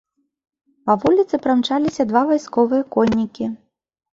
Па вуліцы прамчаліся два вайсковыя коннікі.